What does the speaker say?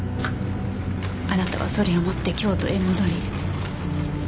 あなたはそれを持って京都へ戻り。